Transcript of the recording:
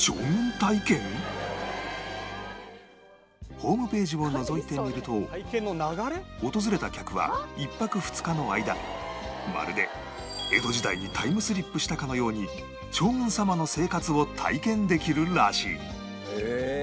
ホームページをのぞいてみると訪れた客は１泊２日の間まるで江戸時代にタイムスリップしたかのように将軍様の生活を体験できるらしい